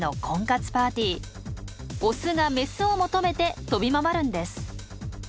オスがメスを求めて飛び回るんです。